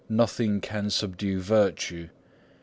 NOTHING CAN SUBDUE VIRTUE.